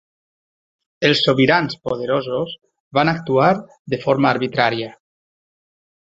Els sobirans poderosos van actuar de forma arbitrària.